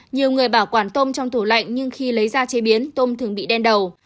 nhiều người bảo quản tôm trong tủ lạnh nhưng khi lấy ra chế biến tôm thường bị đen đầu